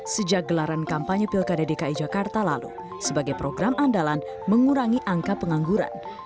sejak gelaran kampanye pilkada dki jakarta lalu sebagai program andalan mengurangi angka pengangguran